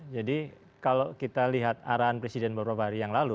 jadi kalau kita lihat arahan presiden beberapa hari yang lalu